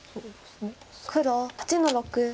黒８の六。